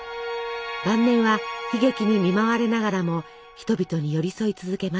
晩年は悲劇に見舞われながらも人々に寄り添い続けます。